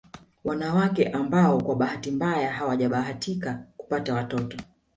Wanawake ambao kwa bahati mbaya hawajabahatika kupata watoto